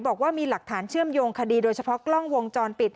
บอกว่ามีหลักฐานเชื่อมโยงคดีโดยเฉพาะกล้องวงจรปิด